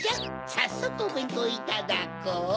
さっそくおべんとうをいただこう。